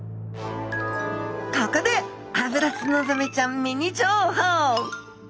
ここでアブラツノザメちゃんミニ情報。